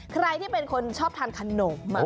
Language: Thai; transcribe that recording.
ใครที่เป็นคนชอบทานขนม